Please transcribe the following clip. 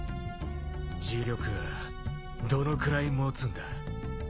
磁力はどのくらい持つんだ？